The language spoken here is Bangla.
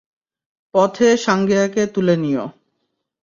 পথে সাঙ্গেয়াকে তুলে নিও।